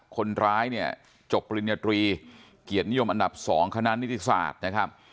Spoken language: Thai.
คนร้ายเนี่ยจบปริณิตรีเหตุนิยมอันดับ๒คณะนิทธิศาสตร์